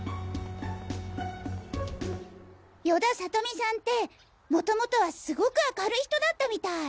与田理美さんって元々はすごく明るい人だったみたい。